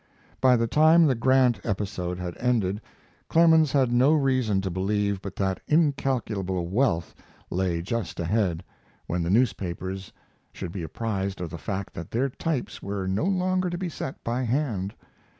By the time the Grant episode had ended Clemens had no reason to believe but that incalculable wealth lay just ahead, when the newspapers should be apprised of the fact that their types were no longer to be set by hand.